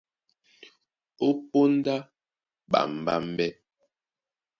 Ó póndá ɓambámbɛ́,